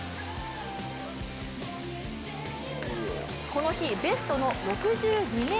この日ベストの６２ｍ５７。